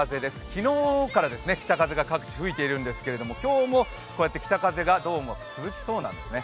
昨日から北風が各地、吹いているんですけれども今日も北風がどうも続きそうなんですね。